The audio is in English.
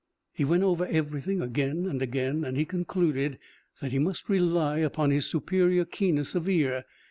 He went over everything again and again and he concluded that he must rely upon his superior keenness of ear.